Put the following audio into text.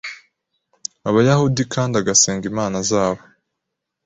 Abayahudi kandi agasenga Imana zabo